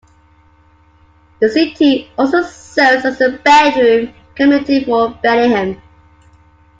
The city also serves as a bedroom community for Bellingham.